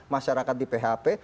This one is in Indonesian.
masyarakat di php